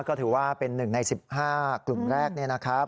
ก็ถือว่าเป็น๑ใน๑๕กลุ่มแรกนี่นะครับ